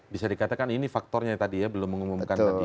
bisa dikatakan ini faktornya tadi ya belum mengumumkan tadi